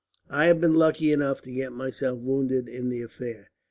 "I had been lucky enough to get myself wounded in the affair.